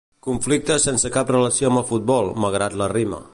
Conflicte sense cap relació amb el futbol, malgrat la rima.